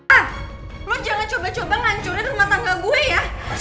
ah lo jangan coba coba ngancurin rumah tangga gue ya